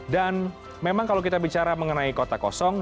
dan memang kalau kita bicara mengenai kota kosong